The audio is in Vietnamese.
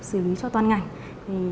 xử lý cho toàn ngành